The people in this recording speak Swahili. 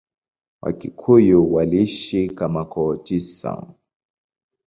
Wakikuyu waliishi kama koo tisa.